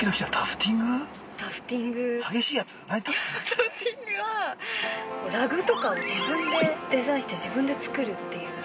◆タフティングはラグとかを自分でデザインして自分で作るっていう。